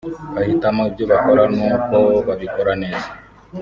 bahitamo ibyo bakora n’uko babikora neza